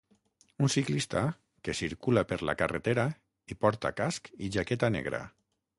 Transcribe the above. Un ciclista que circula per la carretera i porta casc i jaqueta negra.